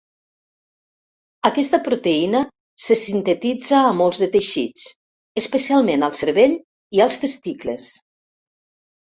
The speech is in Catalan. Aquesta proteïna se sintetitza a molts de teixits, especialment al cervell i als testicles.